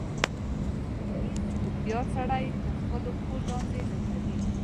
هوښیار سړی یې تر خپلو پښو لاندې لټوي.